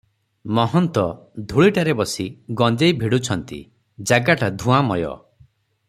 ମହନ୍ତ ଧୂଳିଟାରେ ବସି ଗଞ୍ଜେଇ ଭିଡୁଛନ୍ତି, ଜାଗାଟା ଧୂଆଁମୟ ।